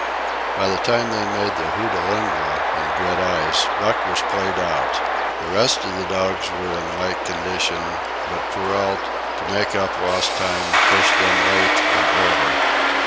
By the time they made the Hootalinqua and good ice, Buck was played out. The rest of the dogs were in like condition; but Perrault, to make up lost time, pushed them late and early.